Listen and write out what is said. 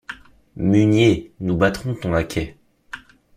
Musnier, nous battrons ton laquais.